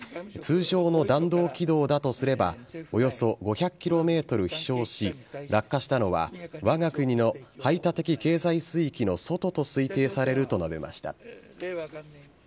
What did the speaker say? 通常の弾道軌道だとすれば、およそ５００キロメートル飛しょうし、落下したのは、わが国の排他的経済水域の外と推定されると述べました。